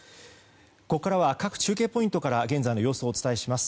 ここからは各中継ポイントから現在の様子をお伝えします。